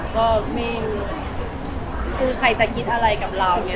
ก็คือใครจะคิดอะไรกับเราเนี่ย